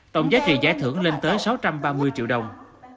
tổng giá trị giải thưởng lên tới sáu trăm ba mươi triệu đồng